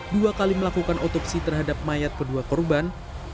dua kali melakukan otopsi terhadap mayat kedua korban